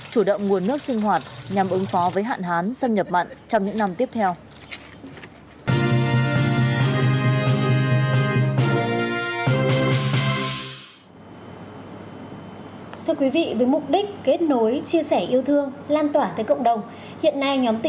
chủ động nguồn nước sinh hoạt nhằm ứng phó với hạn hán xâm nhập mặn trong những năm tiếp theo